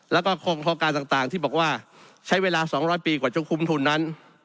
แล้วก็โครงการต่างที่บอกว่าใช้เวลา๒๐๐ปีกว่าจะคุ้มทุนนั้น